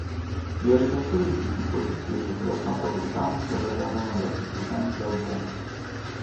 Le recensioni di tutto il pacchetto sulla stampa britannica variarono dal sufficiente al buono.